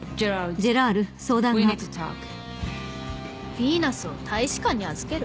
ビーナスを大使館に預ける？